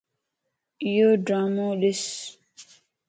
ايو ڊرامو ڏس